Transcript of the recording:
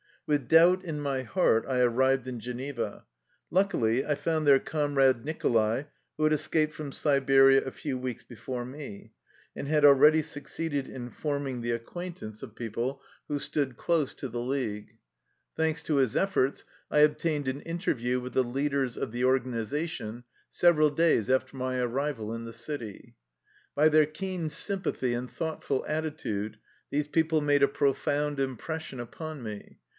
With doubt in my heart I arrived in Geneva. Luckily, I found there Comrade Nicholai, who had escaped from Siberia a few weeks before me, and had already succeeded in forming the acquaintance 125 THE LIFE STORY OF A RUSSIAN EXILE of people who stood close to tbe league. Thanks to his efforts, I obtained an interview with the leaders of the organization several days after my arrival in the city. By their keen sympathy and thoughtful atti tude these people made a profound impression upon me.